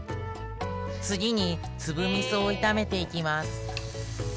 次に粒みそを炒めていきます